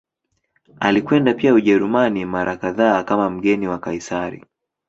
Alikwenda pia Ujerumani mara kadhaa kama mgeni wa Kaisari.